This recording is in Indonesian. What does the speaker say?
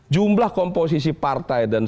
jumlah komposisi partai dan